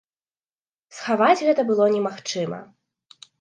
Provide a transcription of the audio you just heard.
Схаваць гэта было немагчыма.